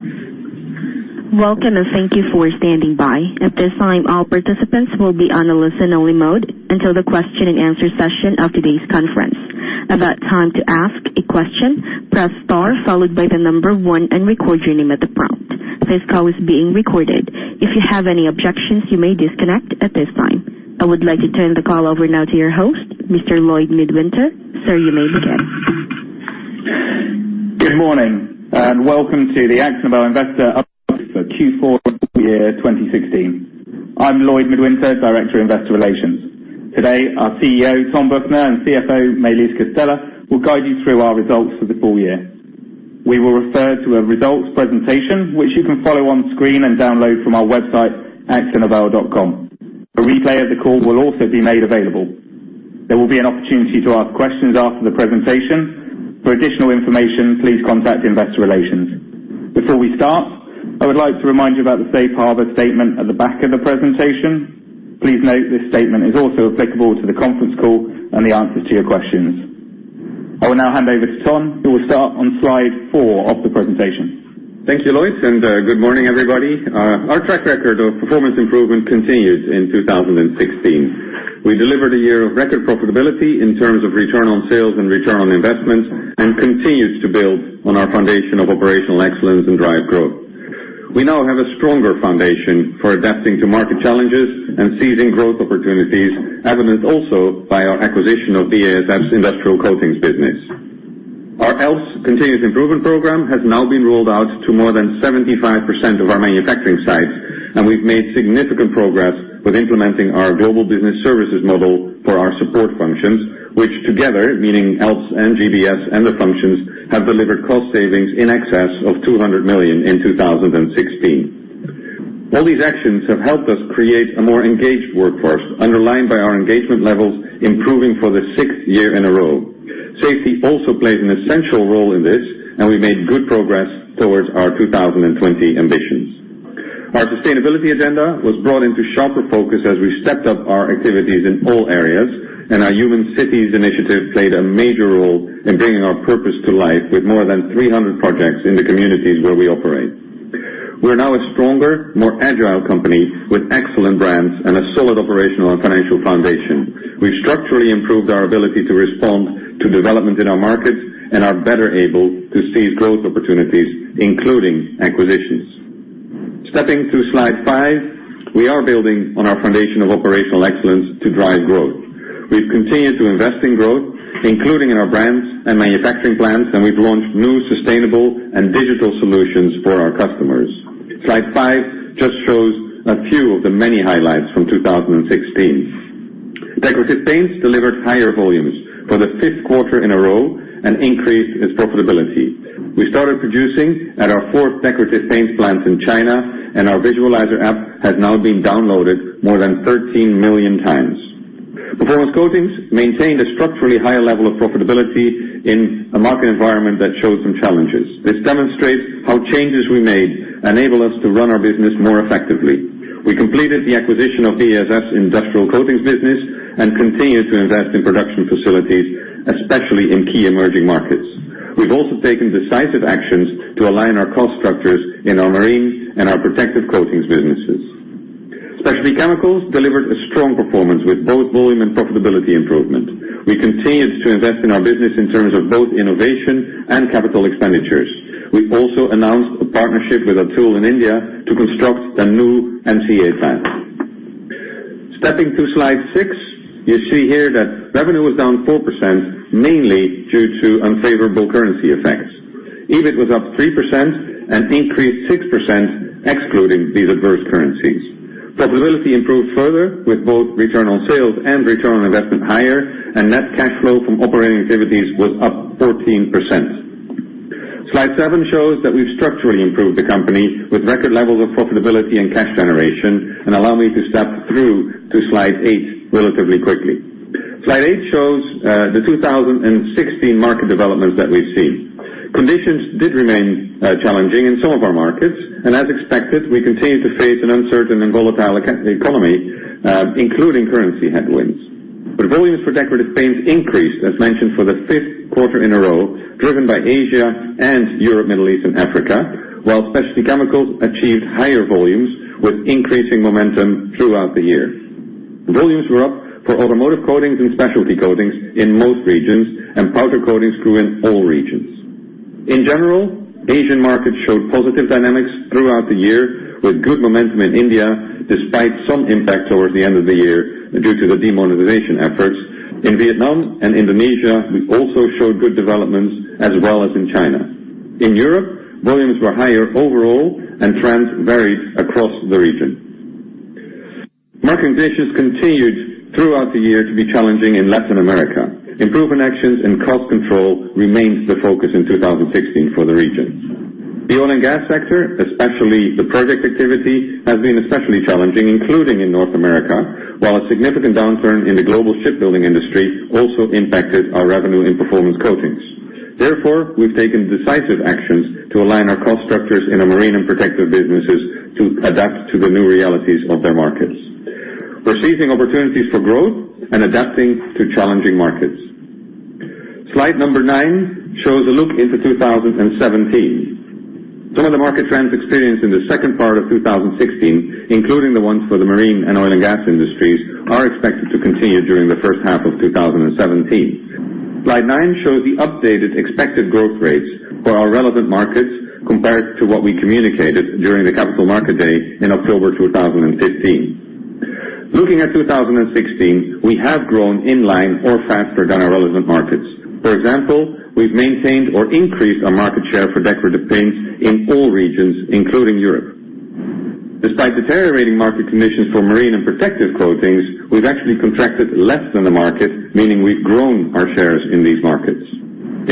Welcome. Thank you for standing by. At this time, all participants will be on a listen-only mode until the question and answer session of today's conference. At the time to ask a question, press star followed by 1 and record your name at the prompt. This call is being recorded. If you have any objections, you may disconnect at this time. I would like to turn the call over now to your host, Mr. Lloyd Midwinter. Sir, you may begin. Good morning. Welcome to the AkzoNobel Investor Update for Q4 Full Year 2016. I'm Lloyd Midwinter, Director of Investor Relations. Today, our CEO, Ton Büchner, and CFO, Maëlys Castella, will guide you through our results for the full year. We will refer to a results presentation, which you can follow on screen and download from our website, akzonobel.com. A replay of the call will also be made available. There will be an opportunity to ask questions after the presentation. For additional information, please contact Investor Relations. Before we start, I would like to remind you about the safe harbor statement at the back of the presentation. Please note this statement is also applicable to the conference call and the answers to your questions. I will now hand over to Ton, who will start on slide four of the presentation. Thank you, Lloyd. Good morning, everybody. Our track record of performance improvement continued in 2016. We delivered a year of record profitability in terms of Return on Sales and Return on Investment. We continued to build on our foundation of operational excellence and drive growth. We now have a stronger foundation for adapting to market challenges and seizing growth opportunities, evident also by our acquisition of BASF's Industrial Coatings business. Our ALPS continuous improvement program has now been rolled out to more than 75% of our manufacturing sites. We've made significant progress with implementing our global business services model for our support functions, which together, meaning ALPS and GBS and the functions, have delivered cost savings in excess of 200 million in 2016. All these actions have helped us create a more engaged workforce, underlined by our engagement levels improving for the sixth year in a row. Safety also plays an essential role in this. We made good progress towards our 2020 ambitions. Our sustainability agenda was brought into sharper focus as we stepped up our activities in all areas. Our Human Cities initiative played a major role in bringing our purpose to life with more than 300 projects in the communities where we operate. We're now a stronger, more agile company with excellent brands and a solid operational and financial foundation. We've structurally improved our ability to respond to development in our markets and are better able to seize growth opportunities, including acquisitions. Stepping to slide five, we are building on our foundation of operational excellence to drive growth. We've continued to invest in growth, including in our brands and manufacturing plants. We've launched new sustainable and digital solutions for our customers. Slide five just shows a few of the many highlights from 2016. Decorative Paints delivered higher volumes for the fifth quarter in a row and increased its profitability. We started producing at our fourth Decorative Paints plant in China, and our Visualizer app has now been downloaded more than 13 million times. Performance Coatings maintained a structurally higher level of profitability in a market environment that showed some challenges. This demonstrates how changes we made enable us to run our business more effectively. We completed the acquisition of BASF's Industrial Coatings business and continued to invest in production facilities, especially in key emerging markets. We've also taken decisive actions to align our cost structures in our Marine Coatings and our Protective Coatings businesses. Specialty Chemicals delivered a strong performance with both volume and profitability improvement. We continued to invest in our business in terms of both innovation and capital expenditures. We also announced a partnership with Atul in India to construct a new MCA plant. Stepping to slide six, you see here that revenue was down 4%, mainly due to unfavorable currency effects. EBIT was up 3% and increased 6% excluding these adverse currencies. Profitability improved further with both return on sales and return on investment higher, and net cash flow from operating activities was up 14%. Slide seven shows that we've structurally improved the company with record levels of profitability and cash generation. Allow me to step through to slide eight relatively quickly. Slide eight shows the 2016 market developments that we've seen. Conditions did remain challenging in some of our markets, and as expected, we continued to face an uncertain and volatile economy, including currency headwinds. Volumes for Decorative Paints increased, as mentioned, for the fifth quarter in a row, driven by Asia and Europe, Middle East, and Africa, while Specialty Chemicals achieved higher volumes with increasing momentum throughout the year. Volumes were up for Automotive Coatings and Specialty Coatings in most regions, and Powder Coatings grew in all regions. In general, Asian markets showed positive dynamics throughout the year with good momentum in India, despite some impact towards the end of the year due to the demonetization efforts. In Vietnam and Indonesia, we also showed good developments as well as in China. In Europe, volumes were higher overall and trends varied across the region. Market conditions continued throughout the year to be challenging in Latin America. Improvement actions and cost control remained the focus in 2016 for the region. The oil and gas sector, especially the project activity, has been especially challenging, including in North America, while a significant downturn in the global shipbuilding industry also impacted our revenue in Performance Coatings. Therefore, we've taken decisive actions to align our cost structures in our Marine Coatings and Protective Coatings businesses to adapt to the new realities of their markets. We're seizing opportunities for growth and adapting to challenging markets. Slide number nine shows a look into 2017. Some of the market trends experienced in the second part of 2016, including the ones for the Marine Coatings and oil and gas industries, are expected to continue during the first half of 2017. Slide nine shows the updated expected growth rates for our relevant markets compared to what we communicated during the Capital Market Day in October 2015. Looking at 2016, we have grown in line or faster than our relevant markets. For example, we've maintained or increased our market share for Decorative Paints in all regions, including Europe. Despite deteriorating market conditions for Marine & Protective Coatings, we've actually contracted less than the market, meaning we've grown our shares in these markets.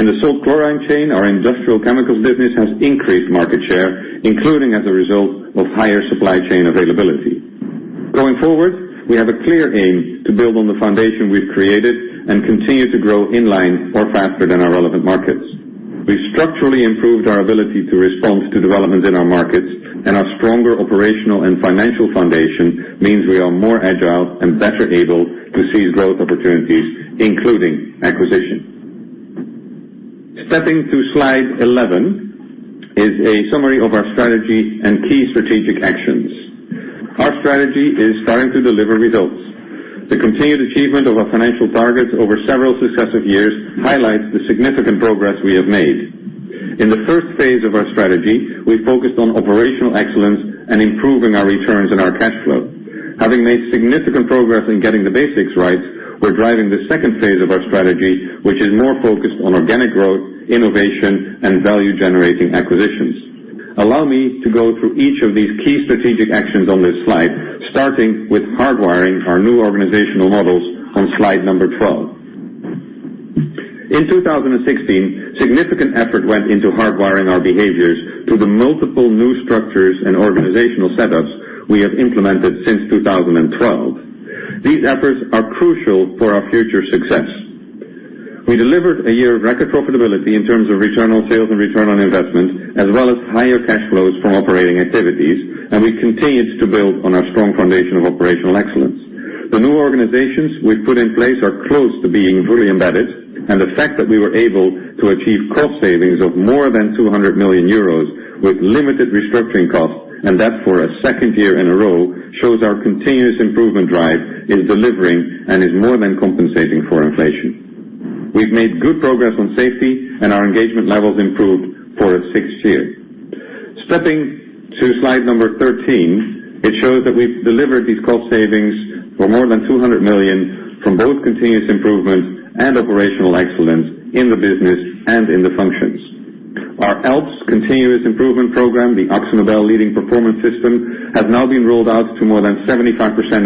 In the salt-chlorine chain, our industrial chemicals business has increased market share, including as a result of higher supply chain availability. Going forward, we have a clear aim to build on the foundation we've created and continue to grow in line or faster than our relevant markets. We've structurally improved our ability to respond to developments in our markets, and our stronger operational and financial foundation means we are more agile and better able to seize growth opportunities, including acquisition. Stepping to slide 11 is a summary of our strategy and key strategic actions. Our strategy is starting to deliver results. The continued achievement of our financial targets over several successive years highlights the significant progress we have made. In the first phase of our strategy, we focused on operational excellence and improving our returns and our cash flow. Having made significant progress in getting the basics right, we're driving the second phase of our strategy, which is more focused on organic growth, innovation, and value-generating acquisitions. Allow me to go through each of these key strategic actions on this slide, starting with hardwiring our new organizational models on slide number 12. In 2016, significant effort went into hardwiring our behaviors to the multiple new structures and organizational setups we have implemented since 2012. These efforts are crucial for our future success. We delivered a year of record profitability in terms of return on sales and return on investment, as well as higher cash flows from operating activities, and we continued to build on our strong foundation of operational excellence. The new organizations we've put in place are close to being fully embedded, the fact that we were able to achieve cost savings of more than 200 million euros with limited restructuring costs, and that for a second year in a row, shows our continuous improvement drive in delivering and is more than compensating for inflation. We've made good progress on safety, and our engagement levels improved for a sixth year. Stepping to slide number 13, it shows that we've delivered these cost savings for more than 200 million from both continuous improvement and operational excellence in the business and in the functions. Our ALPS continuous improvement program, the AkzoNobel Leading Performance System, has now been rolled out to more than 75%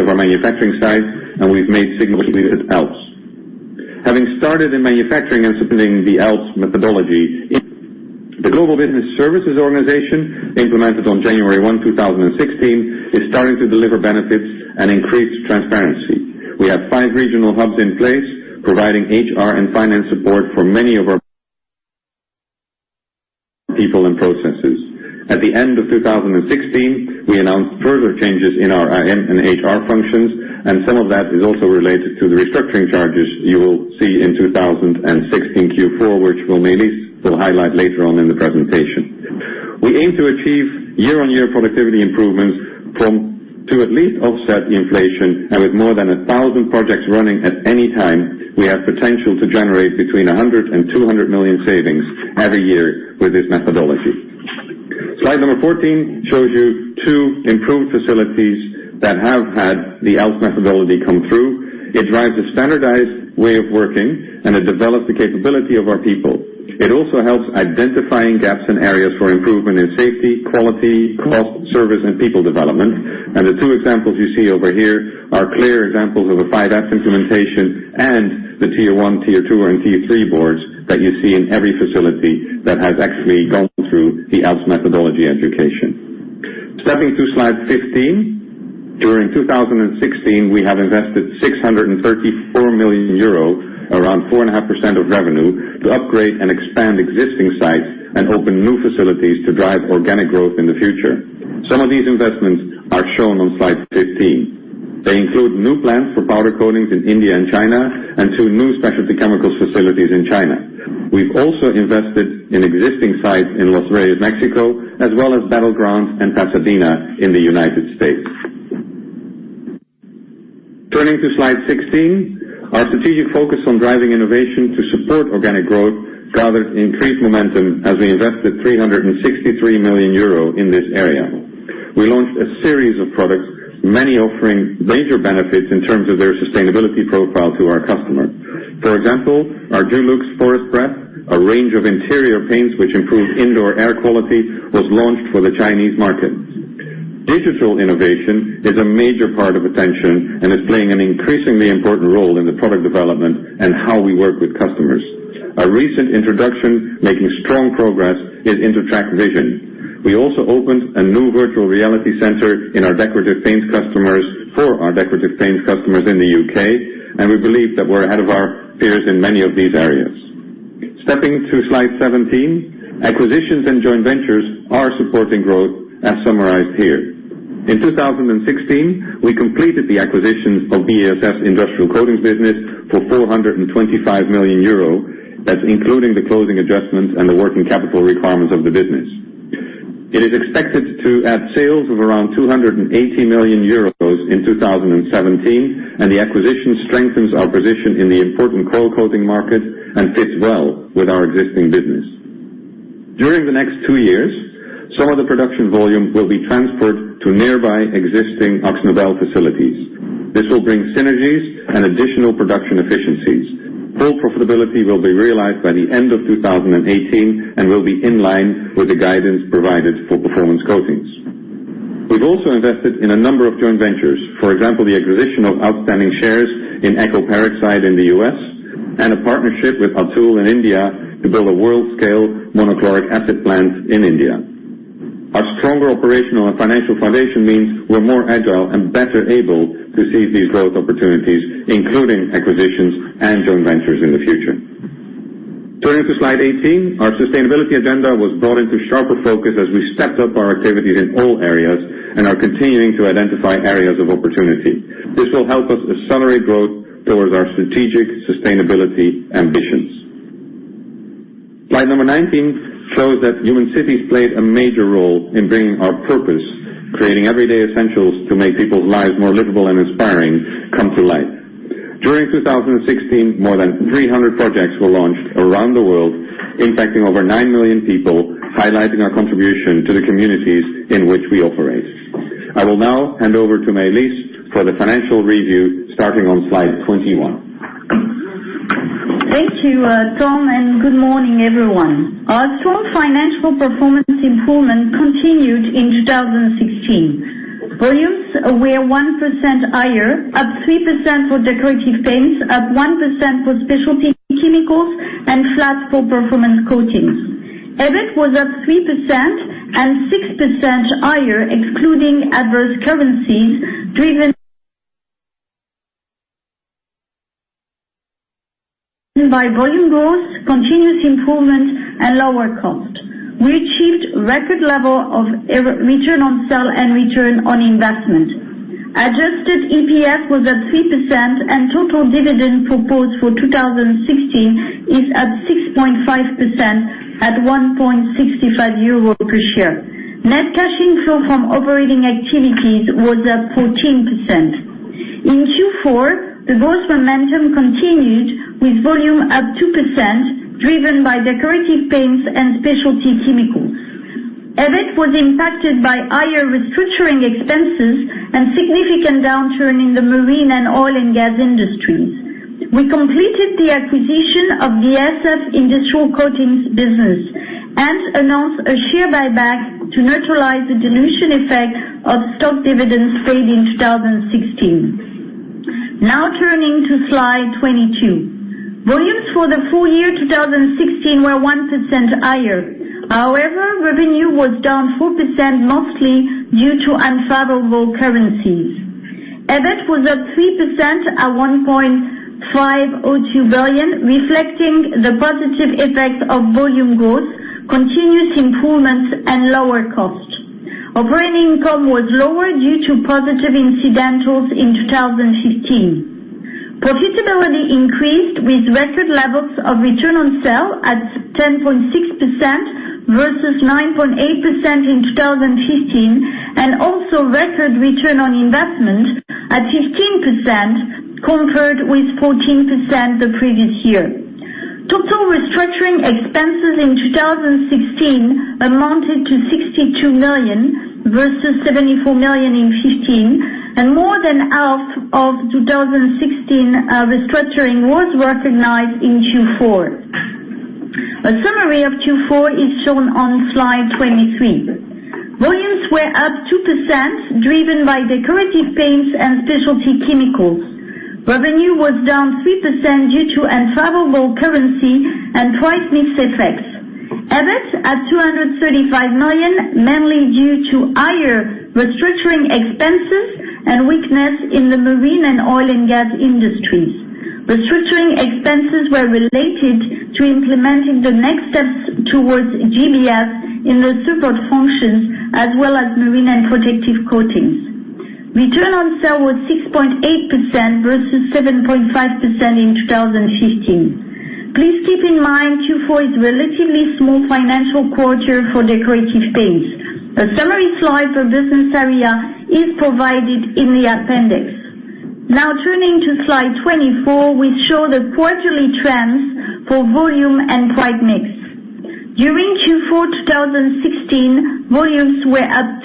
of our manufacturing sites, and we've made significant progress with ALPS. Having started in manufacturing and supporting the ALPS methodology in the global business services organization implemented on January 1, 2016, is starting to deliver benefits and increase transparency. We have five regional hubs in place, providing HR and finance support for many of our people and processes. At the end of 2016, we announced further changes in our IT and HR functions, some of that is also related to the restructuring charges you will see in 2016 Q4, which we'll highlight later on in the presentation. We aim to achieve year-on-year productivity improvements to at least offset the inflation. With more than 1,000 projects running at any time, we have potential to generate between 100 million and 200 million savings every year with this methodology. Slide number 14 shows you two improved facilities that have had the ALPS methodology come through. It drives a standardized way of working, and it develops the capability of our people. It also helps identifying gaps in areas for improvement in safety, quality, cost, service, and people development. The two examples you see over here are clear examples of a 5S implementation and the tier 1, tier 2, and tier 3 boards that you see in every facility that has actually gone through the ALPS methodology education. Stepping to slide 15. During 2016, we have invested 634 million euro, around 4.5% of revenue, to upgrade and expand existing sites and open new facilities to drive organic growth in the future. Some of these investments are shown on slide 15. They include new plants for Powder Coatings in India and China and two new Specialty Chemicals facilities in China. We've also invested in existing sites in Los Reyes, Mexico, as well as Battle Ground and Pasadena in the U.S. Turning to slide 16. Our strategic focus on driving innovation to support organic growth gathered increased momentum as we invested 363 million euro in this area. We launched a series of products, many offering major benefits in terms of their sustainability profile to our customer. For example, our Dulux Forest Breath, a range of interior paints which improve indoor air quality, was launched for the Chinese market. Digital innovation is a major part of attention and is playing an increasingly important role in the product development and how we work with customers. A recent introduction making strong progress is Intertrac Vision. We also opened a new virtual reality center in our Decorative Paints customers for our Decorative Paints customers in the U.K. We believe that we're ahead of our peers in many of these areas. Stepping to slide 17. Acquisitions and joint ventures are supporting growth as summarized here. In 2016, we completed the acquisition of BASF Industrial Coatings business for 425 million euro. That's including the closing adjustments and the working capital requirements of the business. It is expected to add sales of around 280 million euros in 2017. The acquisition strengthens our position in the important coil coating market and fits well with our existing business. During the next two years, some of the production volume will be transferred to nearby existing AkzoNobel facilities. This will bring synergies and additional production efficiencies. Full profitability will be realized by the end of 2018 and will be in line with the guidance provided for Performance Coatings. We've also invested in a number of joint ventures. For example, the acquisition of outstanding shares in EkO Peroxide in the U.S. and a partnership with Atul in India to build a world-scale monochloroacetic acid plant in India. Our stronger operational and financial foundation means we're more agile and better able to seize these growth opportunities, including acquisitions and joint ventures in the future. Turning to slide 18, our sustainability agenda was brought into sharper focus as we stepped up our activities in all areas and are continuing to identify areas of opportunity. This will help us accelerate growth towards our strategic sustainability ambitions. Slide number 19 shows that Human Cities played a major role in bringing our purpose, creating everyday essentials to make people's lives more livable and inspiring, come to life. During 2016, more than 300 projects were launched around the world, impacting over 9 million people, highlighting our contribution to the communities in which we operate. I will now hand over to Maëlys for the financial review, starting on slide 21. Thank you, Ton, and good morning, everyone. Our strong financial performance improvement continued in 2016. Volumes were 1% higher, up 3% for Decorative Paints, up 1% for Specialty Chemicals, and flat for Performance Coatings. EBIT was up 3% and 6% higher, excluding adverse currencies, driven by volume growth, continuous improvement, and lower cost. We achieved record level of Return on Sales and Return on Investment. Adjusted EPS was at 3%, and total dividend proposed for 2016 is at 1.65 euro per share. Net cash inflow from operating activities was up 14%. In Q4, the growth momentum continued with volume up 2%, driven by Decorative Paints and Specialty Chemicals. EBIT was impacted by higher restructuring expenses and significant downturn in the marine and oil and gas industries. We completed the acquisition of BASF Industrial Coatings business and announced a share buyback to neutralize the dilution effect of stock dividends paid in 2016. Now turning to slide 22. Volumes for the full year 2016 were 1% higher. However, revenue was down 4%, mostly due to unfavorable currencies. EBIT was up 3% at 1.502 billion, reflecting the positive effects of volume growth, continuous improvements, and lower cost. Operating income was lower due to positive incidentals in 2015. Profitability increased with record levels of Return on Sales at 10.6% versus 9.8% in 2015, and also record Return on Investment at 15%, compared with 14% the previous year. Total restructuring expenses in 2016 amounted to 62 million, versus 74 million in 2015, and more than half of 2016 restructuring was recognized in Q4. A summary of Q4 is shown on slide 23. Volumes were up 2%, driven by Decorative Paints and Specialty Chemicals. Revenue was down 3% due to unfavorable currency and price mix effects. EBIT at 235 million, mainly due to higher restructuring expenses and weakness in the marine and oil and gas industries. Restructuring expenses were related to implementing the next steps towards GBS in the support functions, as well as Marine & Protective Coatings. Return on Sales was 6.8% versus 7.5% in 2015. Please keep in mind, Q4 is a relatively small financial quarter for Decorative Paints. A summary slide for business area is provided in the appendix. Now turning to slide 24, we show the quarterly trends for volume and price mix. During Q4 2016, volumes were up 2%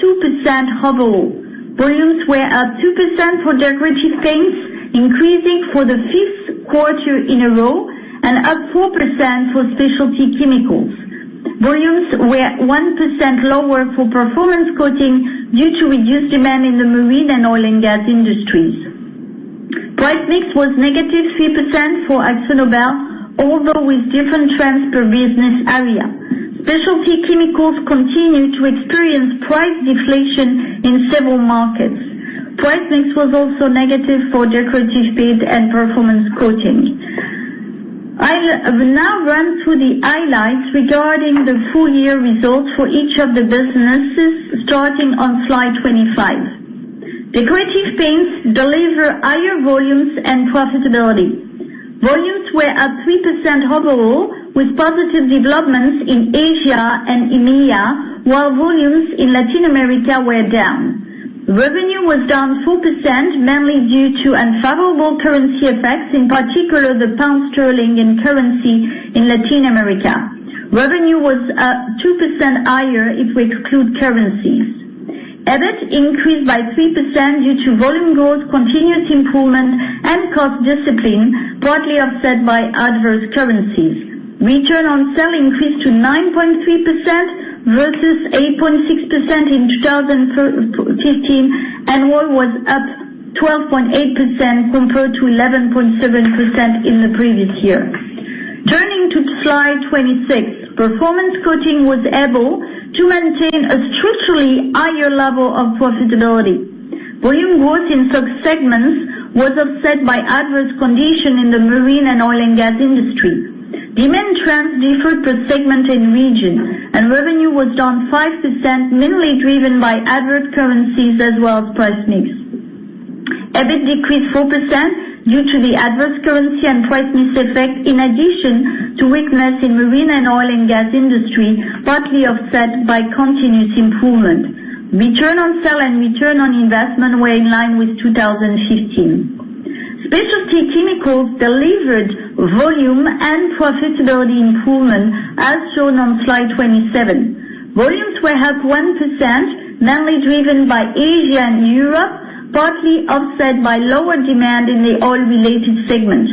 overall. Volumes were up 2% for Decorative Paints, increasing for the fifth quarter in a row, and up 4% for Specialty Chemicals. Volumes were 1% lower for Performance Coatings due to reduced demand in the marine and oil and gas industries. Price mix was negative 3% for AkzoNobel, although with different trends per business area. Specialty Chemicals continued to experience price deflation in several markets. Price mix was also negative for Decorative Paints and Performance Coatings. I will now run through the highlights regarding the full year results for each of the businesses, starting on slide 25. Decorative Paints deliver higher volumes and profitability. Volumes were up 3% overall, with positive developments in Asia and EMEA, while volumes in Latin America were down. Revenue was down 4%, mainly due to unfavorable currency effects, in particular the pound sterling in currency in Latin America. Revenue was up 2% higher if we exclude currencies. EBIT increased by 3% due to volume growth, continuous improvement, and cost discipline, partly offset by adverse currencies. Return on Sales increased to 9.3% versus 8.6% in 2015, and ROI was up 12.8% compared to 11.7% in the previous year. Turning to slide 26. Performance Coatings was able to maintain a structurally higher level of profitability. Volume growth in such segments was offset by adverse condition in the marine and oil and gas industry. Revenue was down 5%, mainly driven by adverse currencies as well as price mix. EBIT decreased 4% due to the adverse currency and price mix effect, in addition to weakness in marine and oil and gas industry, partly offset by continuous improvement. Return on Sales and Return on Investment were in line with 2015. Specialty Chemicals delivered volume and profitability improvement, as shown on slide 27. Volumes were up 1%, mainly driven by Asia and Europe, partly offset by lower demand in the oil-related segment.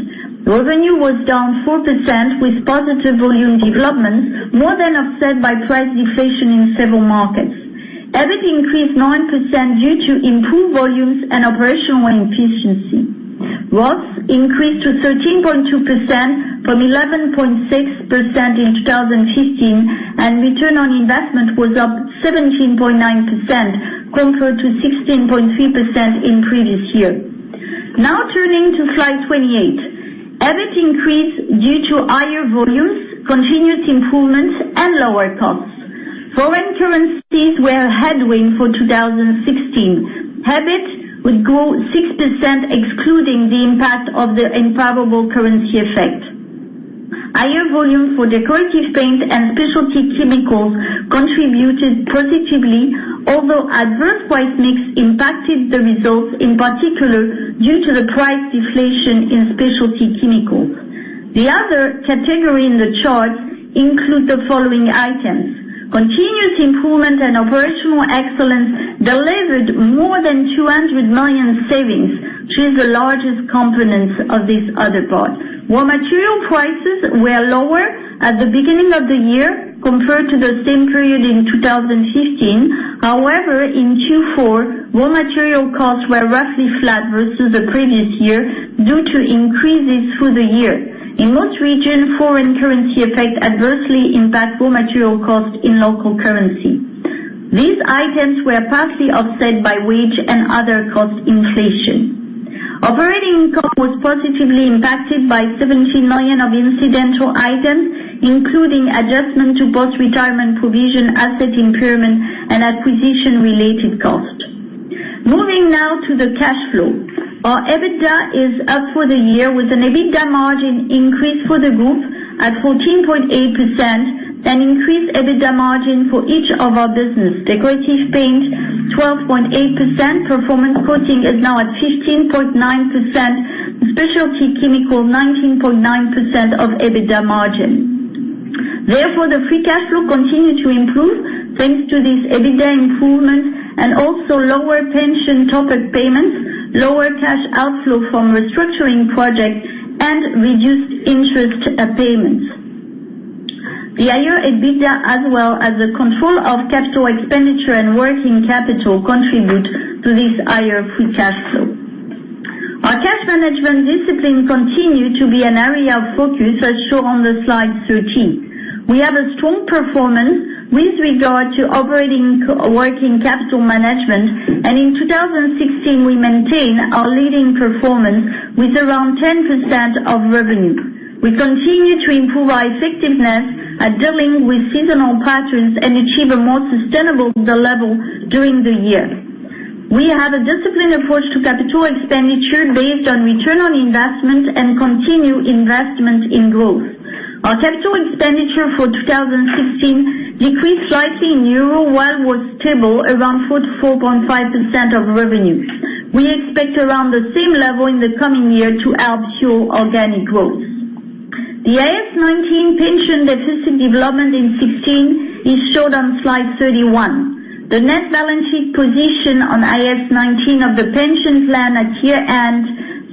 Revenue was down 4% with positive volume development, more than offset by price deflation in several markets. EBIT increased 9% due to improved volumes and operational efficiency. ROS increased to 13.2% from 11.6% in 2015, and Return on Investment was up 17.9%, compared to 16.3% in previous year. Now turning to slide 28. EBIT increased due to higher volumes, continuous improvements, and lower costs. Foreign currencies were a headwind for 2016. EBIT would grow 6% excluding the impact of the unfavorable currency effect. Higher volume for Decorative Paints and Specialty Chemicals contributed positively, although adverse price mix impacted the results, in particular due to the price deflation in Specialty Chemicals. The other category in the chart include the following items. Continuous improvement and operational excellence delivered more than 200 million savings, which is the largest component of this other part. Raw material prices were lower at the beginning of the year compared to the same period in 2015. However, in Q4, raw material costs were roughly flat versus the previous year due to increases through the year. In most regions, foreign currency effects adversely impact raw material cost in local currency. These items were partly offset by wage and other cost inflation. Operating income was positively impacted by 17 million of incidental items, including adjustment to post-retirement provision, asset impairment, and acquisition-related cost. Moving now to the cash flow. Our EBITDA is up for the year with an EBITDA margin increase for the group at 14.8% and increased EBITDA margin for each of our business. Decorative Paints, 12.8%. Performance Coatings is now at 15.9%. Specialty Chemicals, 19.9% of EBITDA margin. The free cash flow continued to improve thanks to this EBITDA improvement and also lower pension top-up payments, lower cash outflow from restructuring projects, and reduced interest payments. The higher EBITDA, as well as the control of capital expenditure and working capital, contribute to this higher free cash flow. Our cash management discipline continued to be an area of focus, as shown on slide 13. We have a strong performance with regard to operating working capital management. In 2016, we maintained our leading performance with around 10% of revenue. We continue to improve our effectiveness at dealing with seasonal patterns and achieve a more sustainable level during the year. We have a disciplined approach to capital expenditure based on return on investment and continued investment in growth. Our capital expenditure for 2016 decreased slightly in EUR while was stable around 44.5% of revenue. We expect around the same level in the coming year to help fuel organic growth. The IAS 19 pension deficit development in 2016 is shown on slide 31. The net balance sheet position on IAS 19 of the pension plan at year-end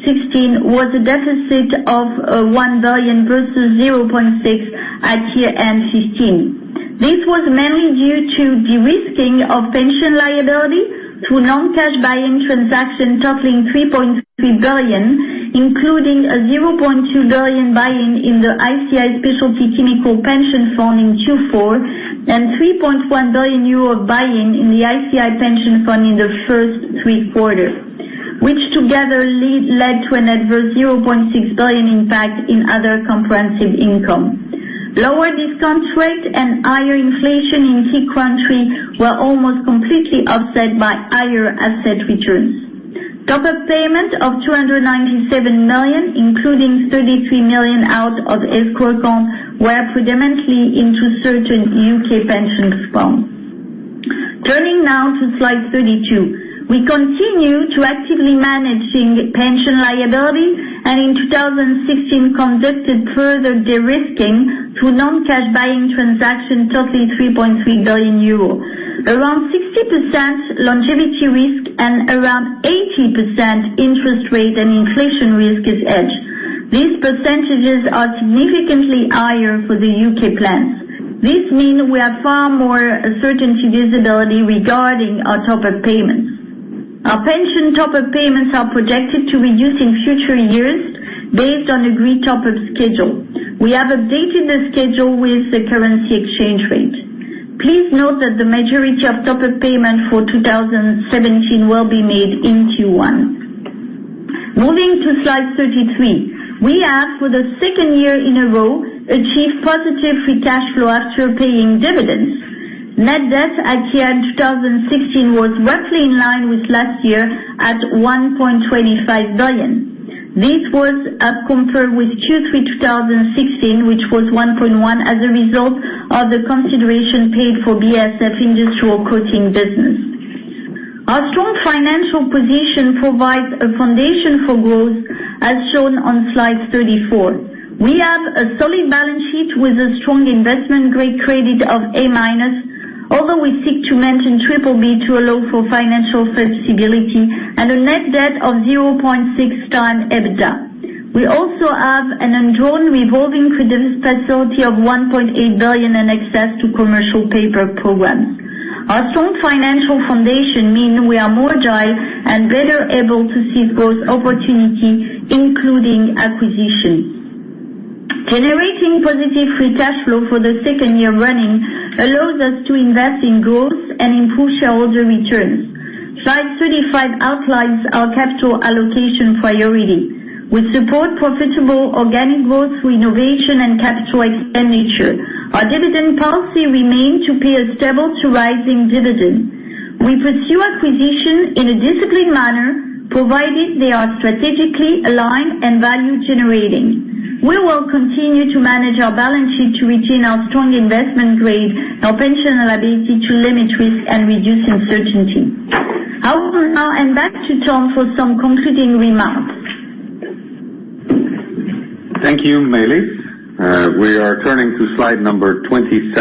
2016 was a deficit of 1 billion versus 0.6 billion at year-end 2015. This was mainly due to de-risking of pension liability through non-cash buy-in transaction totaling 3.3 billion, including a 0.2 billion buy-in in the ICI Specialty Chemical pension fund in Q4 and 3.1 billion euro buy-in in the ICI pension fund in the first three quarters, which together led to an adverse 0.6 billion impact in other comprehensive income. Lower discount rates and higher inflation in key countries were almost completely offset by higher asset returns. Top-up payments of 297 million, including 33 million out of escrow account, were predominantly into certain U.K. pensions funds. Turning now to slide 32. We continue to actively managing pension liability. In 2016 conducted further de-risking through non-cash buy-in transaction totaling 3.3 billion euro. Around 60% longevity risk and around 80% interest rate and inflation risk is hedged. These percentages are significantly higher for the U.K. plans. This means we have far more certainty visibility regarding our top-up payments. Our pension top-up payments are projected to reduce in future years based on agreed top-up schedule. We have updated the schedule with the currency exchange rate. Please note that the majority of top-up payments for 2017 will be made in Q1. Moving to slide 33. We have, for the second year in a row, achieved positive free cash flow after paying dividends. Net debt at year end 2016 was roughly in line with last year at 1.25 billion. This was as compared with Q3 2016, which was 1.1 billion as a result of the consideration paid for BASF Industrial Coatings business. Our strong financial position provides a foundation for growth, as shown on slide 34. We have a solid balance sheet with a strong investment-grade credit of A minus, although we seek to maintain triple B to allow for financial flexibility and a net debt of 0.6 times EBITDA. We also have an undrawn revolving credit facility of 1.8 billion in excess to commercial paper programs. Our strong financial foundation mean we are more agile and better able to seize growth opportunity, including acquisitions. Generating positive free cash flow for the second year running allows us to invest in growth and improve shareholder returns. Slide 35 outlines our capital allocation priority. We support profitable organic growth through innovation and capital expenditure. Our dividend policy remain to pay a stable to rising dividend. We pursue acquisition in a disciplined manner provided they are strategically aligned and value generating. We will continue to manage our balance sheet to retain our strong investment grade, our pension liability to limit risk and reduce uncertainty. I will now hand back to Ton for some concluding remarks. Thank you, Maëlys. We are turning to slide number 27.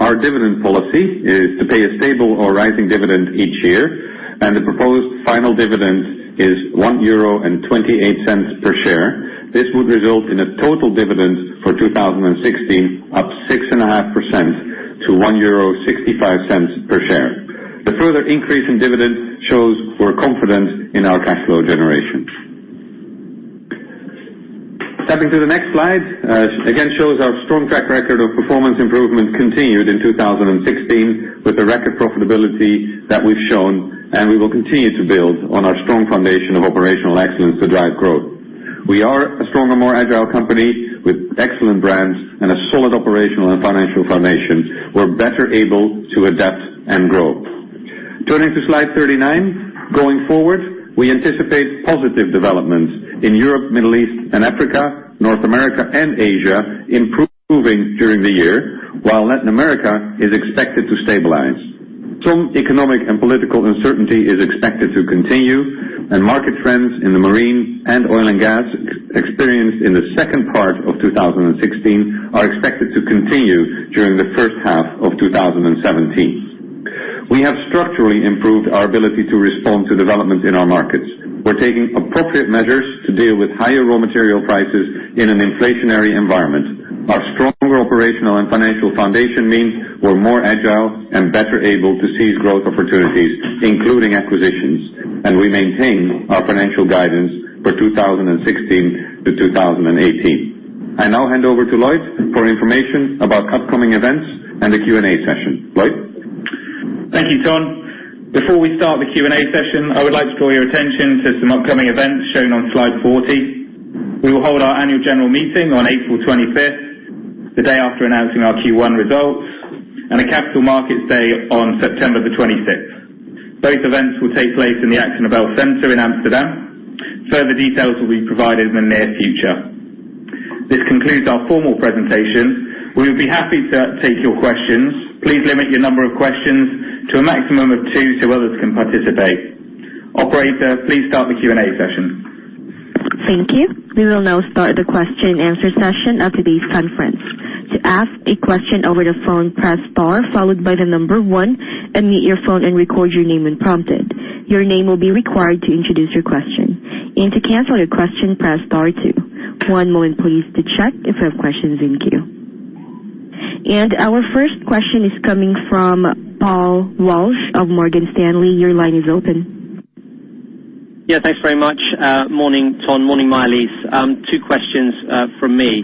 Our dividend policy is to pay a stable or rising dividend each year. The proposed final dividend is 1.28 euro per share. This would result in a total dividend for 2016 up 6.5% to 1.65 euro per share. The further increase in dividend shows we're confident in our cash flow generation. Stepping to the next slide. Again, shows our strong track record of performance improvement continued in 2016 with the record profitability that we've shown. We will continue to build on our strong foundation of operational excellence to drive growth. We are a stronger, more agile company with excellent brands and a solid operational and financial foundation. We're better able to adapt and grow. Turning to slide 39. Going forward, we anticipate positive development in Europe, Middle East and Africa, North America, and Asia, improving during the year, while Latin America is expected to stabilize. Some economic and political uncertainty is expected to continue. Market trends in the marine and oil and gas experienced in the second part of 2016 are expected to continue during the first half of 2017. We have structurally improved our ability to respond to development in our markets. We're taking appropriate measures to deal with higher raw material prices in an inflationary environment. Our stronger operational and financial foundation means we're more agile and better able to seize growth opportunities, including acquisitions. We maintain our financial guidance for 2016 to 2018. I now hand over to Lloyd for information about upcoming events and the Q&A session. Lloyd? Thank you, Ton. Before we start the Q&A session, I would like to draw your attention to some upcoming events shown on slide 40. We will hold our annual general meeting on April 25th, the day after announcing our Q1 results. A capital markets day on September 26th. Both events will take place in the AkzoNobel Center in Amsterdam. Further details will be provided in the near future. This concludes our formal presentation. We would be happy to take your questions. Please limit your number of questions to a maximum of two so others can participate. Operator, please start the Q&A session. Thank you. We will now start the question and answer session of today's conference. To ask a question over the phone, press star followed by the number 1, unmute your phone and record your name when prompted. Your name will be required to introduce your question. To cancel your question, press star 2. One moment please to check if we have questions in queue. Our first question is coming from Paul Walsh of Morgan Stanley. Your line is open. Yeah, thanks very much. Morning, Ton. Morning, Maëlys. 2 questions from me.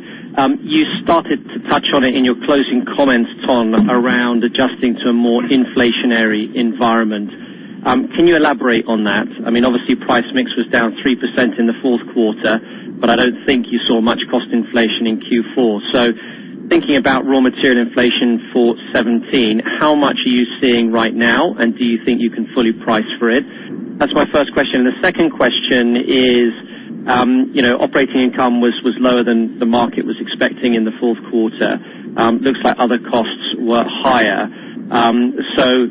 You started to touch on it in your closing comments, Ton, around adjusting to a more inflationary environment. Can you elaborate on that? Obviously, price mix was down 3% in the fourth quarter. I don't think you saw much cost inflation in Q4. Thinking about raw material inflation for 2017, how much are you seeing right now, and do you think you can fully price for it? That's my first question. The second question is, operating income was lower than the market was expecting in the fourth quarter. Looks like other costs were higher.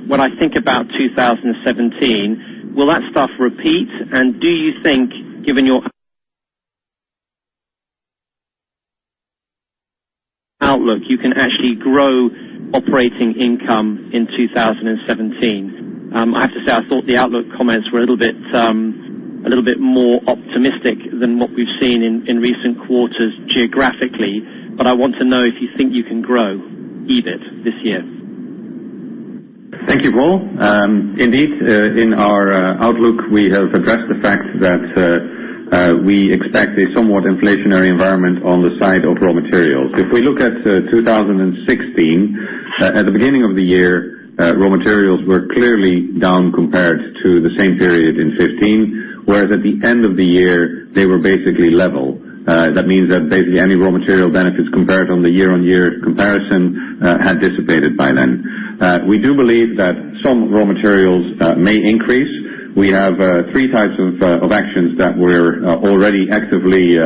When I think about 2017, will that stuff repeat? Do you think, given your outlook, you can actually grow operating income in 2017? I have to say, I thought the outlook comments were a little bit more optimistic than what we've seen in recent quarters geographically. I want to know if you think you can grow EBIT this year. Thank you, Paul. Indeed, in our outlook, we have addressed the fact that we expect a somewhat inflationary environment on the side of raw materials. If we look at 2016, at the beginning of the year, raw materials were clearly down compared to the same period in 2015, whereas at the end of the year, they were basically level. That means that basically any raw material benefits compared on the year-on-year comparison had dissipated by then. We do believe that some raw materials may increase. We have 3 types of actions that we're already actively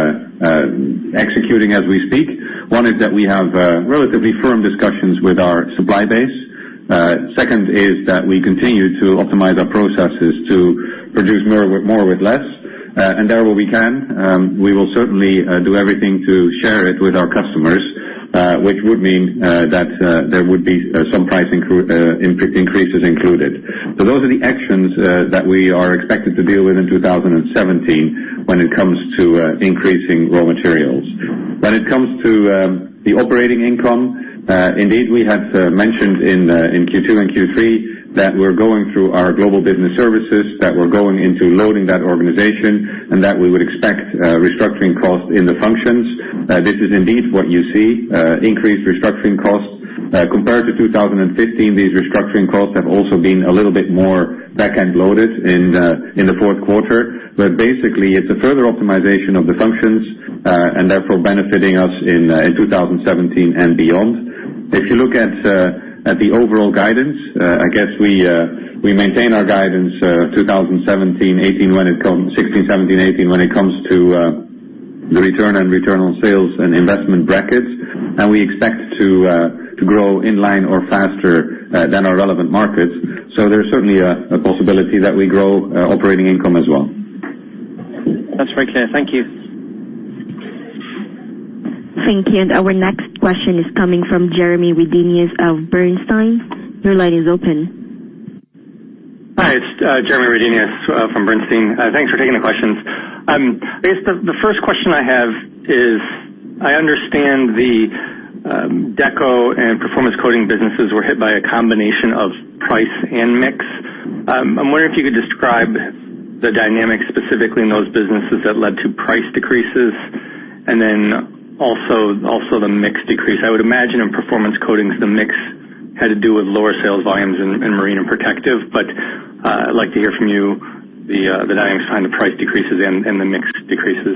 executing as we speak. One is that we have relatively firm discussions with our supply base. Second is that we continue to optimize our processes to produce more with less. There where we can, we will certainly do everything to share it with our customers, which would mean that there would be some price increases included. Those are the actions that we are expected to deal with in 2017 when it comes to increasing raw materials. When it comes to the operating income, indeed, we had mentioned in Q2 and Q3 that we're going through our global business services, that we're going into loading that organization, and that we would expect restructuring costs in the functions. This is indeed what you see, increased restructuring costs. Compared to 2015, these restructuring costs have also been a little bit more back-end loaded in the fourth quarter. Basically, it's a further optimization of the functions, and therefore benefiting us in 2017 and beyond. If you look at the overall guidance, I guess we maintain our guidance 2016, 2017, 2018 when it comes to the return on sales and investment brackets. We expect to grow in line or faster than our relevant markets. There's certainly a possibility that we grow operating income as well. That's very clear. Thank you. Thank you. Our next question is coming from Jeremy Redenius of Bernstein. Your line is open. Hi, it's Jeremy Redenius from Bernstein. Thanks for taking the questions. I guess the first question I have is, I understand the Deco and Performance Coatings businesses were hit by a combination of price and mix. I'm wondering if you could describe the dynamics specifically in those businesses that led to price decreases, and then also the mix decrease. I would imagine in Performance Coatings, the mix had to do with lower sales volumes in Marine & Protective Coatings, but I'd like to hear from you the dynamics behind the price decreases and the mix decreases.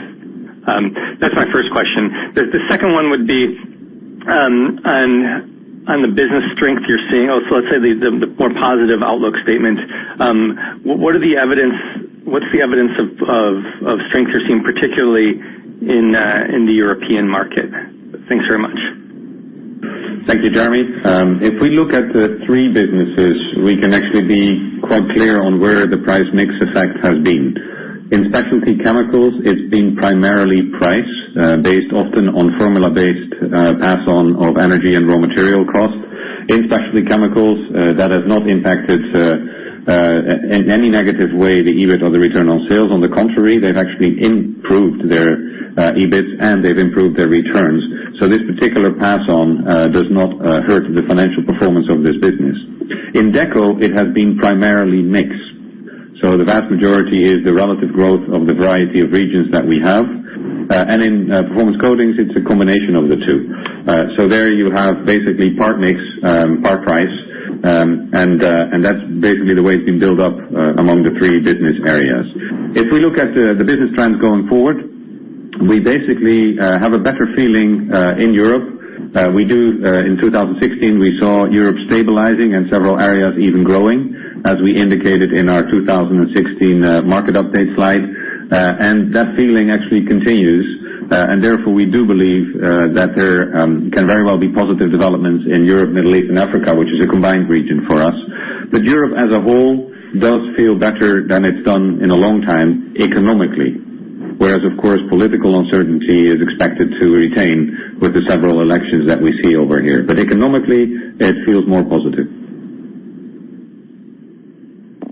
That's my first question. The second one would be on the business strength you're seeing, or let's say the more positive outlook statement. What's the evidence of strength you're seeing, particularly in the European market? Thanks very much. Thank you, Jeremy. If we look at the three businesses, we can actually be quite clear on where the price mix effect has been. In Specialty Chemicals, it's been primarily price, based often on formula-based pass on of energy and raw material costs. In Specialty Chemicals, that has not impacted in any negative way, the EBIT or the return on sales. On the contrary, they've actually improved their EBITs, and they've improved their returns. This particular pass on does not hurt the financial performance of this business. In Deco, it has been primarily mix. The vast majority is the relative growth of the variety of regions that we have. In Performance Coatings, it's a combination of the two. There you have basically part mix, part price, and that's basically the way it's been built up among the three business areas. If we look at the business trends going forward, we basically have a better feeling in Europe. In 2016, we saw Europe stabilizing and several areas even growing, as we indicated in our 2016 market update slide. That feeling actually continues. Therefore, we do believe that there can very well be positive developments in Europe, Middle East, and Africa, which is a combined region for us. Europe as a whole does feel better than it's done in a long time economically. Whereas, of course, political uncertainty is expected to retain with the several elections that we see over here. Economically, it feels more positive.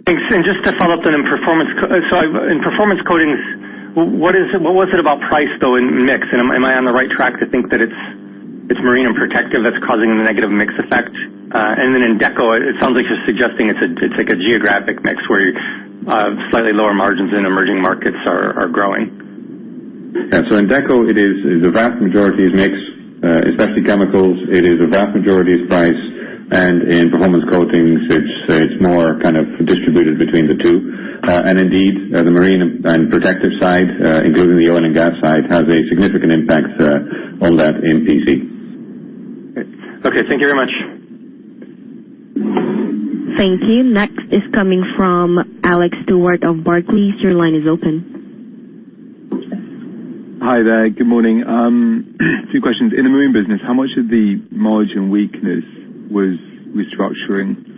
Thanks. Just to follow up then, in Performance Coatings, what was it about price though, and mix? Am I on the right track to think that it's Marine & Protective Coatings that's causing the negative mix effect? Then in Deco, it sounds like you're suggesting it's like a geographic mix where slightly lower margins in emerging markets are growing. Yeah. In Deco, the vast majority is mixed. In Specialty Chemicals, it is a vast majority is price. In Performance Coatings, it's more kind of distributed between the two. Indeed, the marine and protective side, including the oil and gas side, has a significant impact on that in PC. Okay. Thank you very much. Thank you. Next is coming from Alex Stewart of Barclays. Your line is open. Hi there. Good morning. Two questions. In the marine business, how much of the margin weakness was restructuring?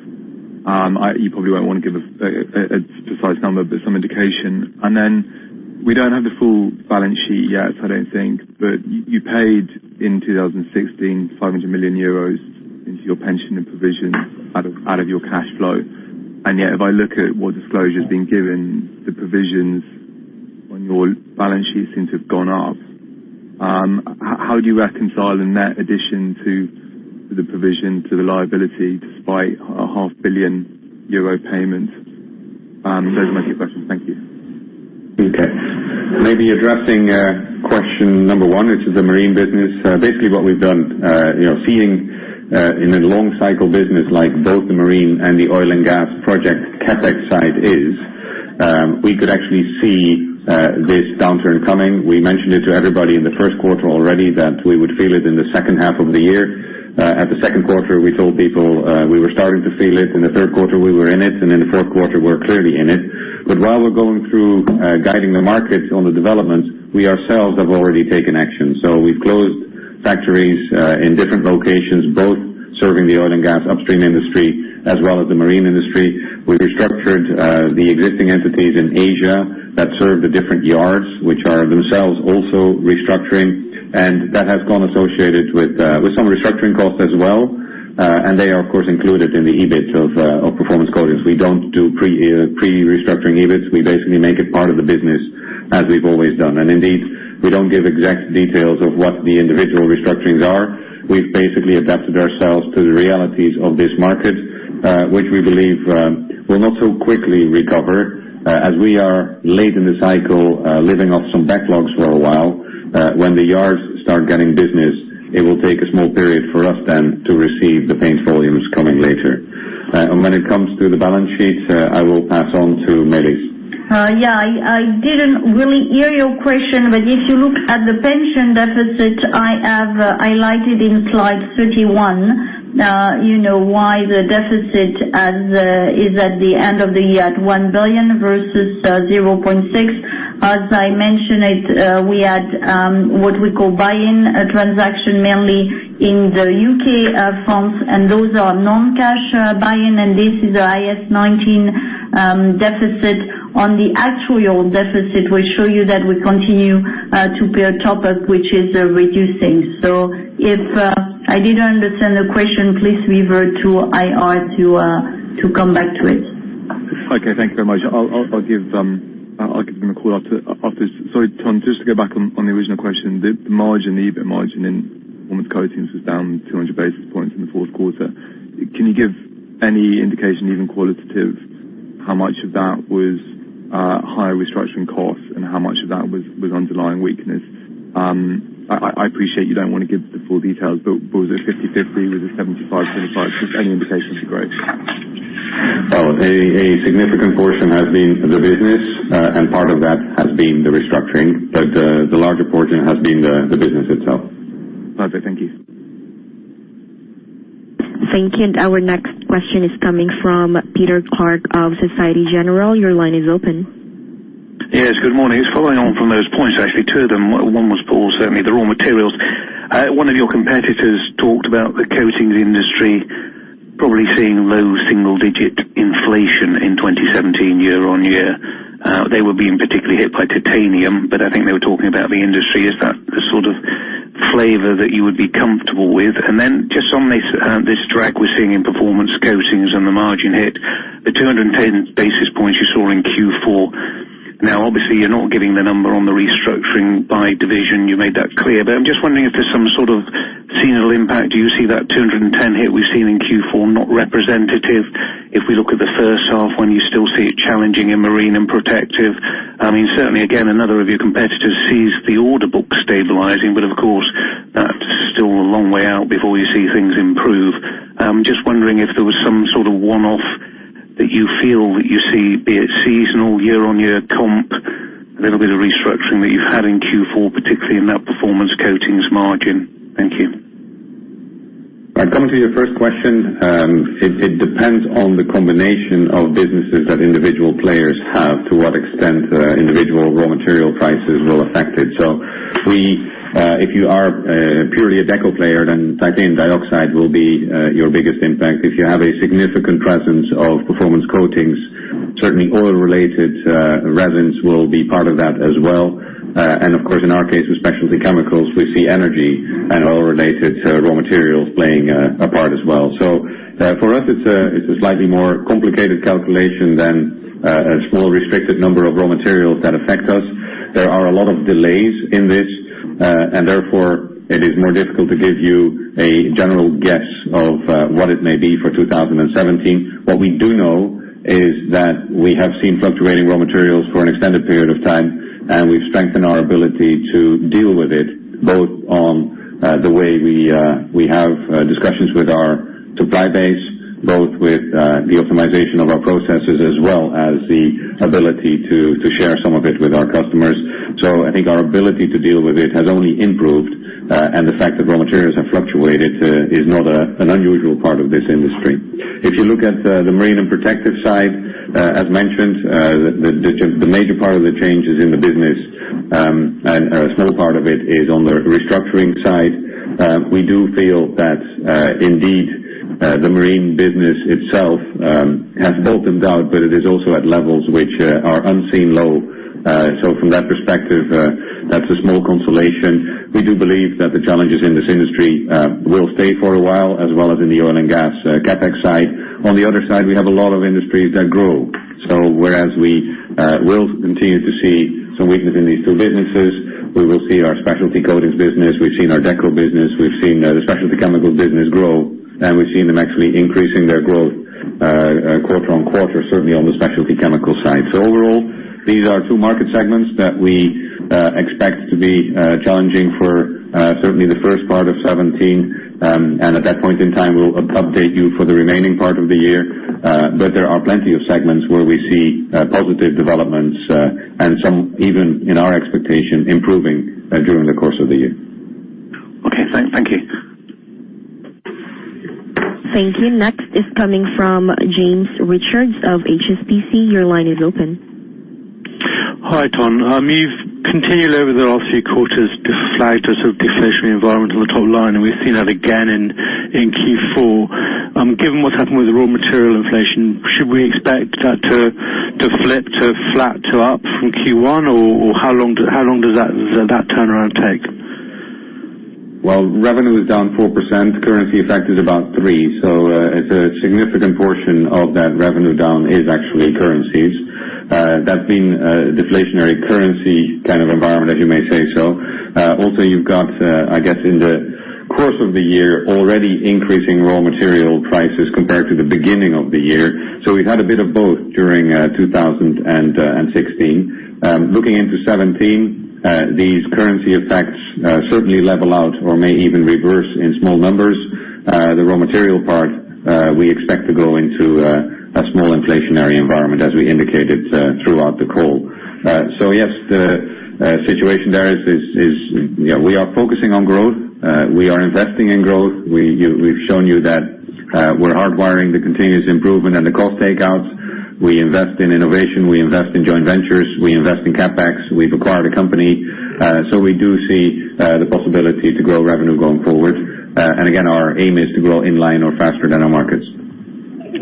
You probably won't want to give a precise number, but some indication. Then we don't have the full balance sheet yet, I don't think, but you paid in 2016, 500 million euros into your pension and provision out of your cash flow. Yet, if I look at what disclosure's been given, the provisions on your balance sheet seem to have gone up. How do you reconcile a net addition to the provision to the liability despite a half billion euro payment? Those are my two questions. Thank you. Okay. Maybe addressing question number 1, which is the marine business. Basically what we've done, seeing in a long cycle business like both the marine and the oil and gas project CapEx side is, we could actually see this downturn coming. We mentioned it to everybody in the first quarter already that we would feel it in the second half of the year. At the second quarter, we told people we were starting to feel it. In the third quarter, we were in it, and in the fourth quarter, we're clearly in it. While we're going through guiding the market on the development, we ourselves have already taken action. We've closed factories in different locations, both serving the oil and gas upstream industry as well as the marine industry. We restructured the existing entities in Asia that serve the different yards, which are themselves also restructuring. That has gone associated with some restructuring costs as well. They are, of course, included in the EBIT of Performance Coatings. We don't do pre-restructuring EBIT. We basically make it part of the business as we've always done. Indeed, we don't give exact details of what the individual restructurings are. We've basically adapted ourselves to the realities of this market, which we believe will not so quickly recover. As we are late in the cycle, living off some backlogs for a while. When the yards start getting business, it will take a small period for us then to receive the paint volumes coming later. When it comes to the balance sheet, I will pass on to Maëlys. Yeah. I didn't really hear your question, but if you look at the pension deficit I have highlighted in slide 31, you know why the deficit is at the end of the year at 1 billion versus 0.6. As I mentioned it, we had what we call buy-in transaction mainly in the U.K. funds, and those are non-cash buy-in, and this is the IAS 19 deficit. On the actual deficit, we show you that we continue to pay a top-up, which is reducing. If I didn't understand the question, please refer to IR to come back to it. Okay. Thank you very much. I'll give them a call after. Sorry, Ton, just to go back on the original question. The EBIT margin in Performance Coatings was down 200 basis points in the fourth quarter. Can you give any indication, even qualitative, how much of that was higher restructuring costs and how much of that was underlying weakness? I appreciate you don't want to give the full details, but was it 50/50? Was it 75/25? Just any indication would be great. A significant portion has been the business, part of that has been the restructuring. The larger portion has been the business itself. Perfect. Thank you. Thank you. Our next question is coming from Peter Clark of Societe Generale. Your line is open. Yes, good morning. It is following on from those points, actually, two of them. One was Paul, certainly the raw materials. One of your competitors talked about the coatings industry probably seeing low single-digit inflation in 2017 year-on-year. They were being particularly hit by titanium, but I think they were talking about the industry. Is that the sort of flavor that you would be comfortable with? Then just on this drag we are seeing in Performance Coatings and the margin hit, the 210 basis points you saw in Q4. Obviously, you are not giving the number on the restructuring by division. You made that clear. I am just wondering if there is some sort of seasonal impact. Do you see that 210 hit we have seen in Q4 not representative if we look at the first half when you still see it challenging in Marine and Protective? Certainly, again, another of your competitors sees the order book stabilizing, of course, that's still a long way out before you see things improve. I'm just wondering if there was some sort of one-off that you feel that you see, be it seasonal, year-on-year comp, a little bit of restructuring that you've had in Q4, particularly in that Performance Coatings margin. Thank you. Coming to your first question, it depends on the combination of businesses that individual players have to what extent individual raw material prices will affect it. If you are purely a Deco player, then titanium dioxide will be your biggest impact. If you have a significant presence of Performance Coatings, certainly oil-related resins will be part of that as well. Of course, in our case with Specialty Chemicals, we see energy and oil-related raw materials playing a part as well. For us, it's a slightly more complicated calculation than a small restricted number of raw materials that affect us. There are a lot of delays in this And therefore, it is more difficult to give you a general guess of what it may be for 2017. What we do know is that we have seen fluctuating raw materials for an extended period of time, and we've strengthened our ability to deal with it, both on the way we have discussions with our supply base, both with the optimization of our processes, as well as the ability to share some of it with our customers. I think our ability to deal with it has only improved, and the fact that raw materials have fluctuated is not an unusual part of this industry. If you look at the Marine & Protective side, as mentioned, the major part of the change is in the business, and a small part of it is on the restructuring side. We do feel that indeed the marine business itself has bolted out, but it is also at levels which are unseen low. From that perspective, that's a small consolation. We do believe that the challenges in this industry will stay for a while, as well as in the oil and gas CapEx side. On the other side, we have a lot of industries that grow. Whereas we will continue to see some weakness in these two businesses, we will see our Specialty Coatings business. We've seen our Deco business. We've seen the Specialty Chemicals business grow, and we've seen them actually increasing their growth quarter-on-quarter, certainly on the Specialty Chemicals side. Overall, these are two market segments that we expect to be challenging for certainly the first part of 2017. At that point in time, we'll update you for the remaining part of the year. There are plenty of segments where we see positive developments and some even in our expectation, improving during the course of the year. Okay, thank you. Thank you. Next is coming from James Richards of HSBC. Your line is open. Hi, Ton. You've continued over the last few quarters to flag a sort of deflationary environment on the top line, and we've seen that again in Q4. Given what's happened with raw material inflation, should we expect that to flip to flat to up from Q1? Or how long does that turnaround take? Revenue is down 4%, currency effect is about 3%. A significant portion of that revenue down is actually currencies. That's been a deflationary currency kind of environment, as you may say so. Also, you've got, I guess, in the course of the year, already increasing raw material prices compared to the beginning of the year. We've had a bit of both during 2016. Looking into 2017, these currency effects certainly level out or may even reverse in small numbers. The raw material part, we expect to go into a small inflationary environment, as we indicated throughout the call. Yes, the situation there is we are focusing on growth. We are investing in growth. We've shown you that we're hardwiring the continuous improvement and the cost takeouts. We invest in innovation, we invest in joint ventures, we invest in CapEx, we've acquired a company. We do see the possibility to grow revenue going forward. Again, our aim is to grow in line or faster than our markets. Thanks.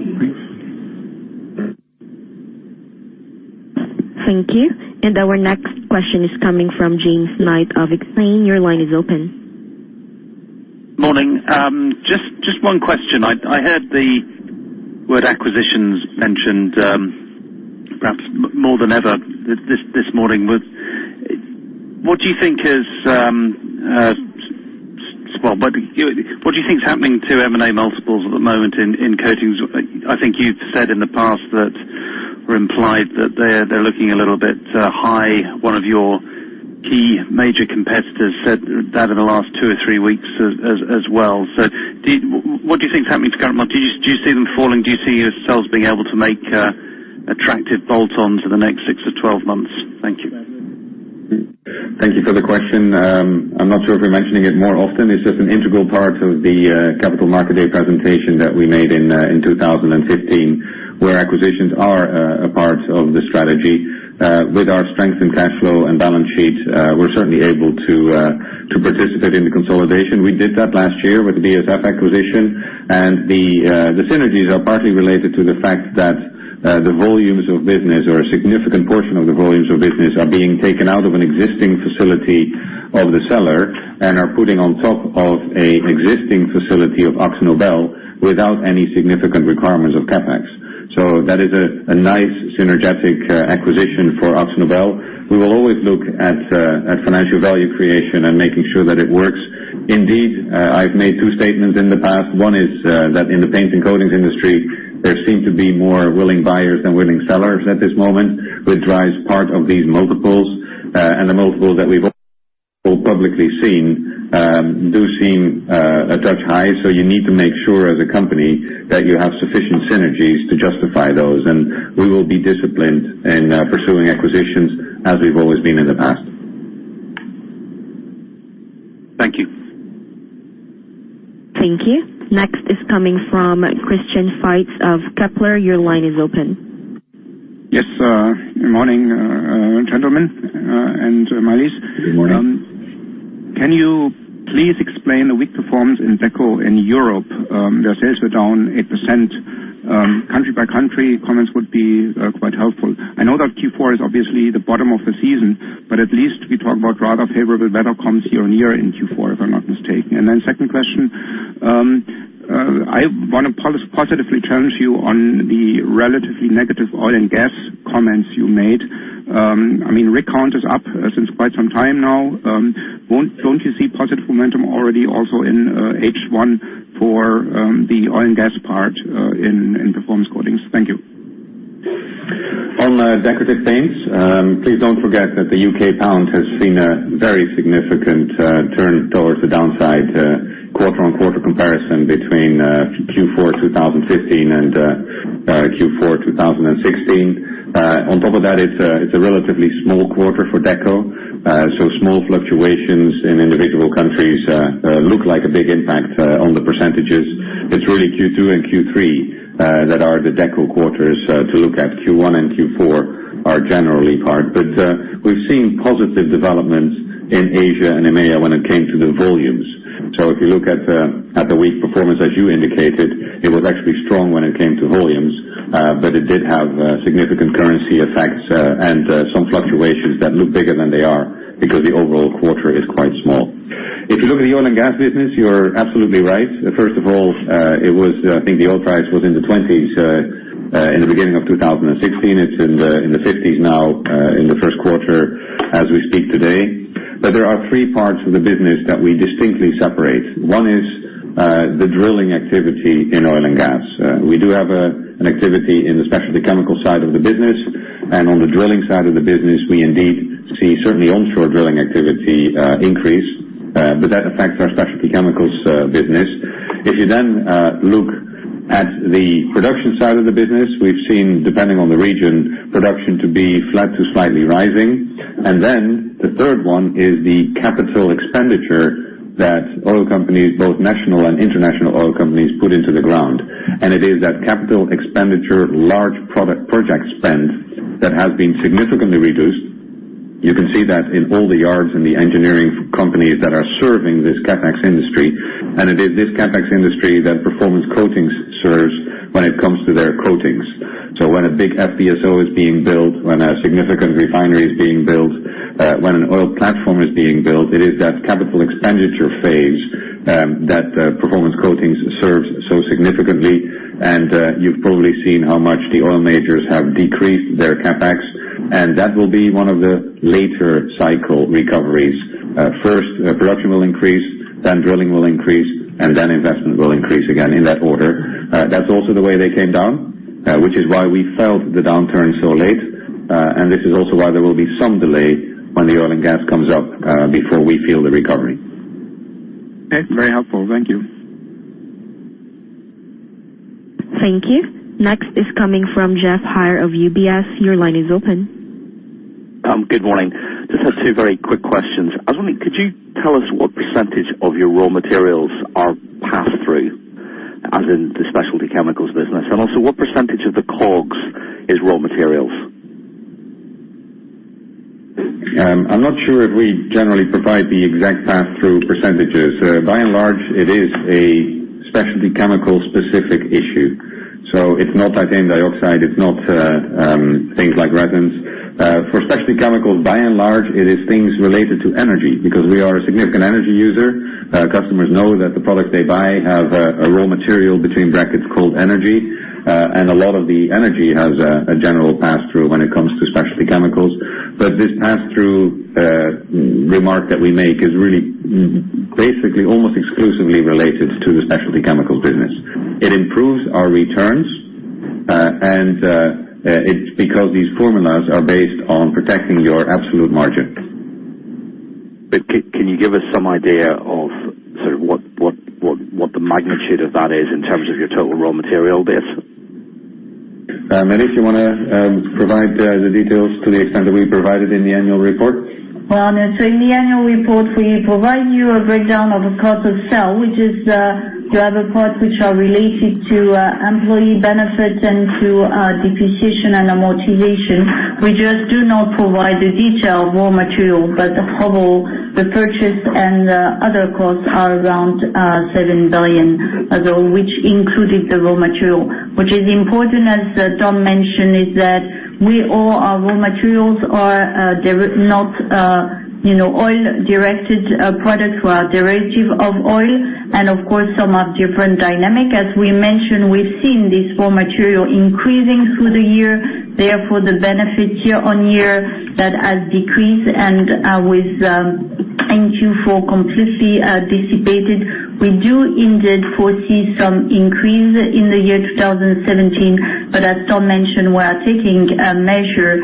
Thank you. Our next question is coming from James Knight of Exane. Your line is open. Morning. Just one question. I heard the word acquisitions mentioned perhaps more than ever this morning. What do you think is happening to M&A multiples at the moment in coatings? I think you've said in the past that or implied that they're looking a little bit high. One of your key major competitors said that in the last two or three weeks as well. What do you think is happening to current multiples? Do you see them falling? Do you see yourselves being able to make attractive bolt-ons in the next six to 12 months? Thank you. Thank you for the question. I'm not sure if we're mentioning it more often. It's just an integral part of the capital market day presentation that we made in 2015, where acquisitions are a part of the strategy. With our strength in cash flow and balance sheet, we're certainly able to participate in the consolidation. We did that last year with the BASF acquisition. The synergies are partly related to the fact that the volumes of business or a significant portion of the volumes of business are being taken out of an existing facility of the seller and are putting on top of an existing facility of AkzoNobel without any significant requirements of CapEx. That is a nice synergetic acquisition for AkzoNobel. We will always look at financial value creation and making sure that it works. Indeed, I've made two statements in the past. One is that in the paint and coatings industry, there seem to be more willing buyers than willing sellers at this moment, which drives part of these multiples. The multiples that we've all publicly seen do seem a touch high. You need to make sure as a company that you have sufficient synergies to justify those. We will be disciplined in pursuing acquisitions as we've always been in the past. Thank you. Thank you. Next is coming from Christian Faitz of Kepler. Your line is open. Yes. Morning, gentlemen and Maëlys. Morning. Can you please explain the weak performance in Deco in Europe? Their sales were down 8%. Country by country comments would be quite helpful. I know that Q4 is obviously the bottom of the season, but at least we talk about rather favorable weather year-on-year in Q4, if I'm not mistaken. Second question. I want to positively challenge you on the relatively negative oil and gas comments you made. Rig count is up since quite some time now. Don't you see positive momentum already also in H1 for the oil and gas part in Performance Coatings? Thank you. On Decorative Paints, please don't forget that the U.K. pound has seen a very significant turn towards the downside quarter-on-quarter comparison between Q4 2015 and Q4 2016. On top of that, it's a relatively small quarter for Deco, so small fluctuations in individual countries look like a big impact on the %. It's really Q2 and Q3 that are the Deco quarters to look at. Q1 and Q4 are generally hard. We've seen positive developments in Asia and EMEA when it came to the volumes. If you look at the weak performance, as you indicated, it was actually strong when it came to volumes. It did have significant currency effects and some fluctuations that look bigger than they are because the overall quarter is quite small. If you look at the oil and gas business, you're absolutely right. First of all, I think the oil price was in the 20s in the beginning of 2016. It's in the 50s now in the first quarter as we speak today. There are three parts of the business that we distinctly separate. One is the drilling activity in oil and gas. We do have an activity in the Specialty Chemicals side of the business, and on the drilling side of the business, we indeed see certainly onshore drilling activity increase. That affects our Specialty Chemicals business. Look at the production side of the business, we've seen, depending on the region, production to be flat to slightly rising. The third one is the capital expenditure that oil companies, both national and international oil companies, put into the ground. It is that capital expenditure, large project spend that has been significantly reduced. You can see that in all the yards in the engineering companies that are serving this CapEx industry. It is this CapEx industry that Performance Coatings serves when it comes to their coatings. When a big FPSO is being built, when a significant refinery is being built, when an oil platform is being built, it is that capital expenditure phase that Performance Coatings serves so significantly. You've probably seen how much the oil majors have decreased their CapEx, that will be one of the later cycle recoveries. First, production will increase, then drilling will increase, and then investment will increase again in that order. That's also the way they came down, which is why we felt the downturn so late. This is also why there will be some delay when the oil and gas comes up before we feel the recovery. Okay. Very helpful. Thank you. Thank you. Next is coming from Geoff Haire of UBS. Your line is open. Good morning. Just have two very quick questions. I was wondering, could you tell us what % of your raw materials are pass-through, as in the Specialty Chemicals business? What % of the COGS is raw materials? I'm not sure if we generally provide the exact pass-through %. By and large, it is a Specialty Chemicals specific issue. It's not titanium dioxide, it's not things like resins. For Specialty Chemicals, by and large, it is things related to energy because we are a significant energy user. Customers know that the products they buy have a raw material between brackets called energy. A lot of the energy has a general pass-through when it comes to Specialty Chemicals. This pass-through remark that we make is really basically almost exclusively related to the Specialty Chemicals business. It improves our returns, and it's because these formulas are based on protecting your absolute margin. Can you give us some idea of sort of what the magnitude of that is in terms of your total raw material base? Maëlys, you want to provide the details to the extent that we provided in the annual report? In the annual report, we provide you a breakdown of the cost of sale, which is you have a part which are related to employee benefits and to depreciation and amortization. We just do not provide the detail of raw material, but the total purchase and other costs are around 7 billion, which included the raw material. Which is important, as Ton mentioned, is that our raw materials are not oil-directed products or are derivative of oil. Of course, some are different dynamic. As we mentioned, we've seen this raw material increasing through the year. Therefore, the benefit year-on-year that has decreased and with Q4 completely dissipated. We do indeed foresee some increase in the year 2017. As Ton mentioned, we are taking measure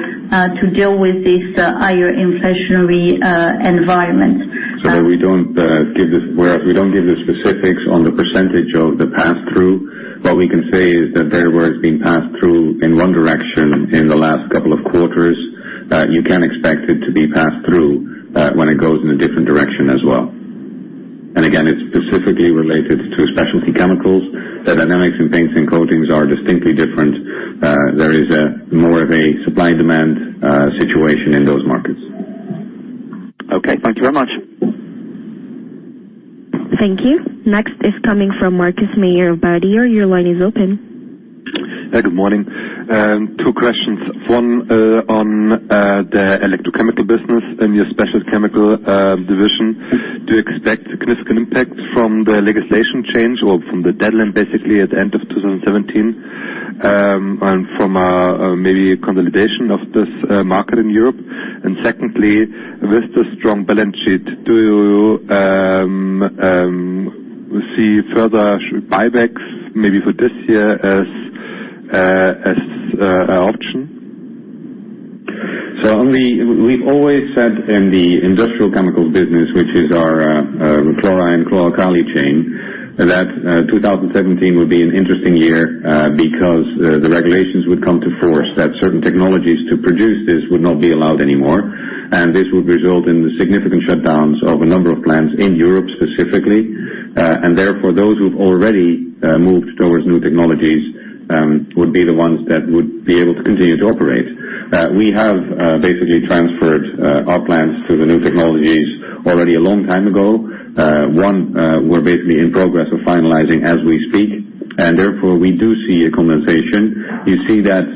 to deal with this higher inflationary environment. That we don't give the specifics on the % of the pass-through. What we can say is that there where it's been passed through in one direction in the last couple of quarters, you can expect it to be passed through when it goes in a different direction as well. Again, it's specifically related to Specialty Chemicals. The dynamics in paints and coatings are distinctly different. There is more of a supply/demand situation in those markets. Okay. Thank you very much. Thank you. Next is coming from Markus Mayer of Baader. Your line is open. Good morning. Two questions. One on the electrochemical business in your Specialty Chemicals division. Do you expect significant impact from the legislation change or from the deadline basically at the end of 2017, and from maybe consolidation of this market in Europe? Secondly, with the strong balance sheet, do you see further buybacks maybe for this year as a option? We've always said in the industrial chemicals business, which is our chlorine, chlor-alkali chain, that 2017 would be an interesting year because the regulations would come to force that certain technologies to produce this would not be allowed anymore, and this would result in the significant shutdowns of a number of plants in Europe specifically. Therefore, those who've already moved towards new technologies would be the ones that would be able to continue to operate. We have basically transferred our plants to the new technologies already a long time ago. One we're basically in progress of finalizing as we speak, therefore, we do see a consolidation. You see that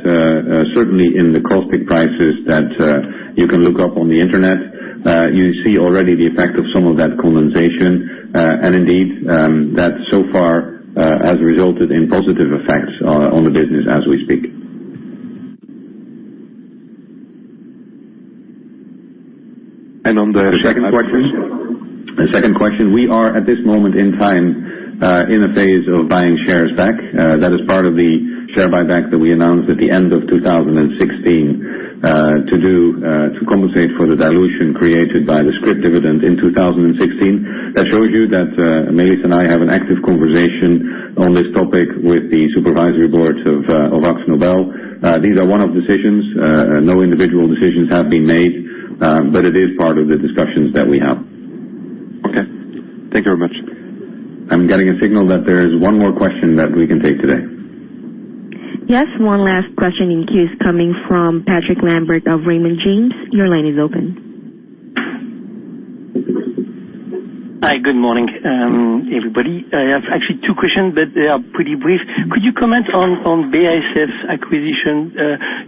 certainly in the caustic prices that you can look up on the internet. You see already the effect of some of that consolidation. Indeed, that so far has resulted in positive effects on the business as we speak. On the second question. The second question, we are at this moment in time in a phase of buying shares back. That is part of the share buyback that we announced at the end of 2016 to compensate for the dilution created by the scrip dividend in 2016. That shows you that Maëlys and I have an active conversation on this topic with the supervisory boards of AkzoNobel. These are one-off decisions. No individual decisions have been made, but it is part of the discussions that we have. Okay. Thank you very much. I'm getting a signal that there is one more question that we can take today. Yes. One last question in queue is coming from Patrick Lambert of Raymond James. Your line is open. Hi. Good morning everybody. I have actually two questions, but they are pretty brief. Could you comment on BASF acquisition?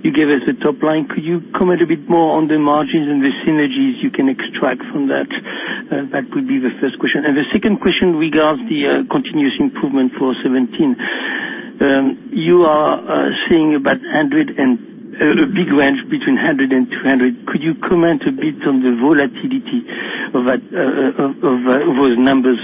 You gave us the top line. Could you comment a bit more on the margins and the synergies you can extract from that? That would be the first question. The second question regards the continuous improvement for 2017. You are seeing a big range between 100 and 200. Could you comment a bit on the volatility of those numbers?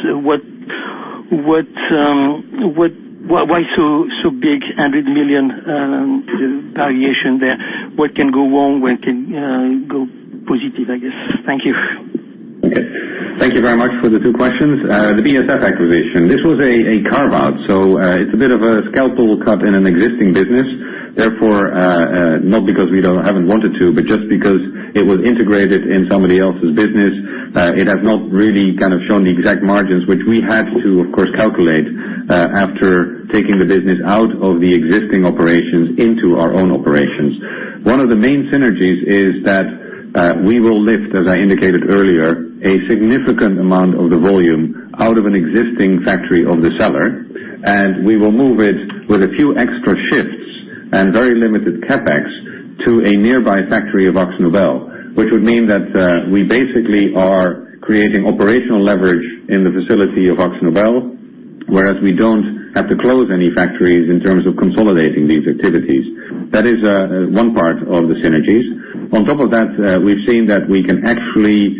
Why so big, 100 million variation there? What can go wrong? What can go positive, I guess? Thank you. Thank you very much for the two questions. The BASF acquisition, this was a carve-out, so it's a bit of a scalpel cut in an existing business. Therefore, not because we haven't wanted to, but just because it was integrated in somebody else's business, it has not really shown the exact margins which we had to, of course, calculate after taking the business out of the existing operations into our own operations. One of the main synergies is that we will lift, as I indicated earlier, a significant amount of the volume out of an existing factory of the seller, and we will move it with a few extra shifts and very limited CapEx to a nearby factory of AkzoNobel, which would mean that we basically are creating operational leverage in the facility of AkzoNobel, whereas we don't have to close any factories in terms of consolidating these activities. That is one part of the synergies. On top of that, we've seen that we can actually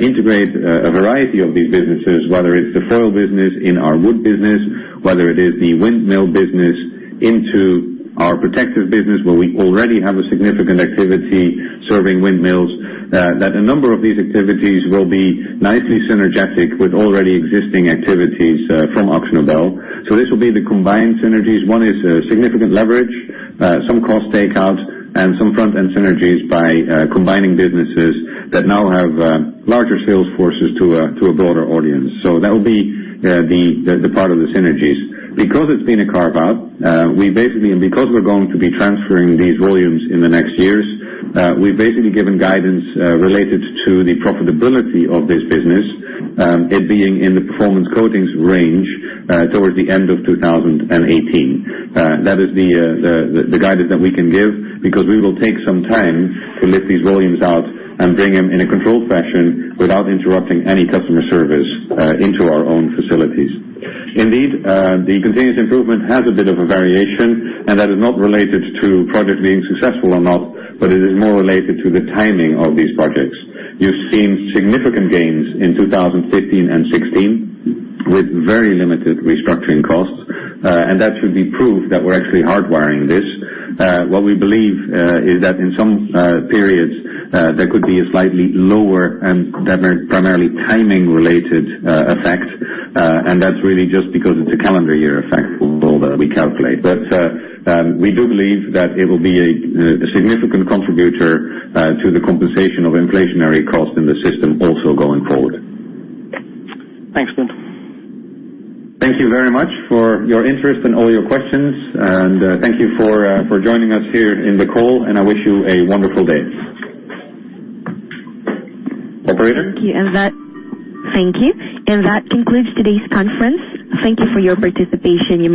integrate a variety of these businesses, whether it's the foil business in our wood business, whether it is the windmill business into our protective business, where we already have a significant activity serving windmills, that a number of these activities will be nicely synergetic with already existing activities from AkzoNobel. This will be the combined synergies. One is significant leverage, some cost takeout, and some front-end synergies by combining businesses that now have larger sales forces to a broader audience. That will be the part of the synergies. Because it's been a carve-out, and because we're going to be transferring these volumes in the next years, we've basically given guidance related to the profitability of this business, it being in the Performance Coatings range towards the end of 2018. That is the guidance that we can give, because we will take some time to lift these volumes out and bring them in a controlled fashion without interrupting any customer service into our own facilities. Indeed, the continuous improvement has a bit of a variation, and that is not related to project being successful or not, but it is more related to the timing of these projects. You've seen significant gains in 2015 and 2016 with very limited restructuring costs. That should be proof that we're actually hardwiring this. What we believe is that in some periods, there could be a slightly lower and primarily timing related effect, and that's really just because of the calendar year effect that we calculate. We do believe that it will be a significant contributor to the compensation of inflationary cost in the system also going forward. Thanks, Ton. Thank you very much for your interest and all your questions. Thank you for joining us here in the call. I wish you a wonderful day. Operator? Thank you. That concludes today's conference. Thank you for your participation. You may disconnect.